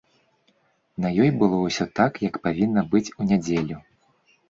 На ёй было ўсё так, як павінна быць у нядзелю.